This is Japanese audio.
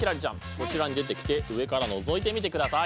こちらに出てきて上からのぞいてみてください。